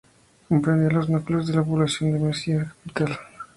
Comprendía los núcleos de población de Mecina —capital.